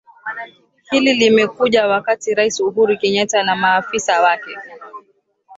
Hili limekuja wakati Rais Uhuru Kenyatta na maafisa wake